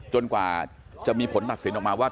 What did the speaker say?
กว่าจะมีผลตัดสินออกมาว่า